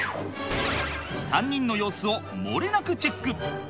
３人の様子を漏れなくチェック。